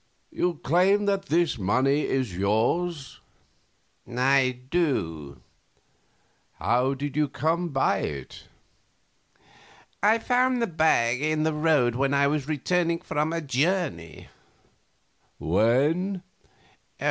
_ You claim that this money is yours? Answer. I do. Q. How did you come by it? A. I found the bag in the road when I was returning from a journey. Q. When?